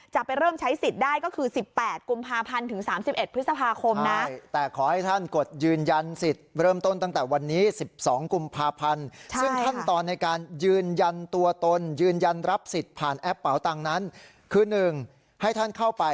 จะไปเริ่มใช้สิทธิ์ได้ก็คือ๑๘กุมภาพันธ์ถึง๓๑พฤษภาคมนะ